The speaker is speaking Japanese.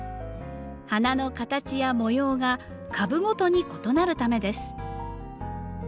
花の形や模様が株ごとに異なるためです。